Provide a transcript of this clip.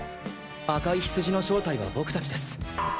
赤いヒツジの正体は僕たちです。